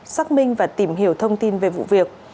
xác minh và tìm hiểu thông tin về vụ việc